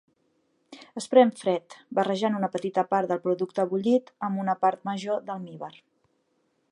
Es pren fred, barrejant una petita part del producte bullit amb una part major d'almívar.